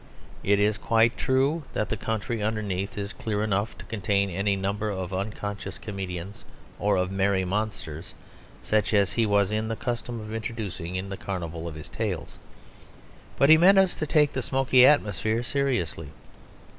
It is quite true that the country underneath is clear enough to contain any number of unconscious comedians or of merry monsters such as he was in the custom of introducing into the carnival of his tales. But he meant us to take the smoky atmosphere seriously.